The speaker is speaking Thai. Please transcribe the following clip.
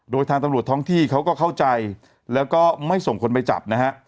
โดยทางตำรวจท้องที่เขาก็เข้าใจแล้วก็ไม่ส่งคนไปจับนะฮะ